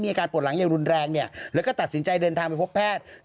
อาการปวดหลังอย่างรุนแรงเนี่ยแล้วก็ตัดสินใจเดินทางไปพบแพทย์